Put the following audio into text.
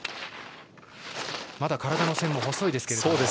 まだ体の線も細いですが。